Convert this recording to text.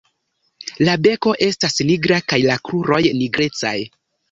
La beko estas nigra kaj la kruroj nigrecaj.